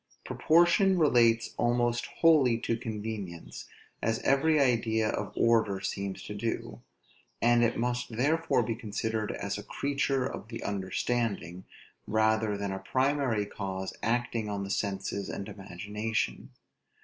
Proportion relates almost wholly to convenience, as every idea of order seems to do; and it must therefore be considered as a creature of the understanding, rather than a primary cause acting on the senses and imagination.